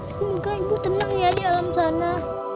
semoga ibu tenang ya di alam sana